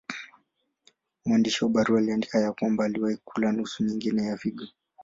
Mwandishi wa barua aliandika ya kwamba aliwahi kula nusu nyingine ya figo.